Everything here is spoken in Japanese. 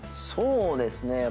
そうですね。